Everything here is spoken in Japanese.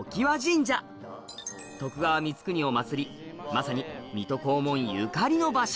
まさに水戸黄門ゆかりの場所